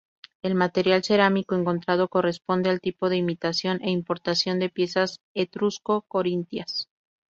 El material cerámico encontrado corresponde al tipo de imitación e importación de piezas etrusco-corintias.